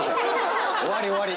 終わり終わり。